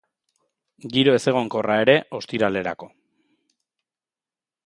Giro ezegonkorra ere ostiralerako.